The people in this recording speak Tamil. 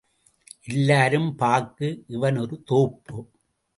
எல்லாரும் பாக்கு இவன் ஒரு தோப்பு.